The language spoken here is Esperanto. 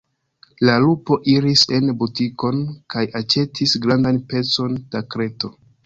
La lupo iris en butikon kaj aĉetis grandan pecon da kreto.